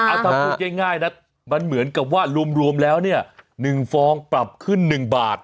ถ้าพูดง่ายนะมันเหมือนกับว่ารวมแล้วเนี่ย๑ฟองปรับขึ้น๑บาท